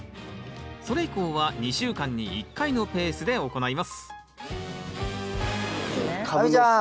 それ以降は２週間に１回のペースで行います亜美ちゃん！